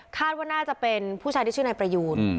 คาดว่าน่าจะเป็นผู้ชายที่ชื่อนายประยูน